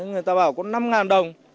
người ta bảo có năm đồng